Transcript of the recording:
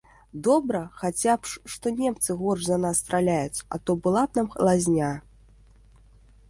Добра хаця, што немцы горш за нас страляюць, а то была б нам лазня.